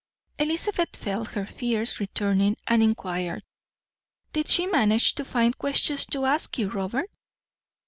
Elizabeth felt her fears returning, and inquired: "Did she manage to find questions to ask you, Robert?"